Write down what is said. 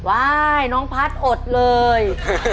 น้องพัฒน์อดเลย